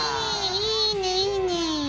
いいねいいね。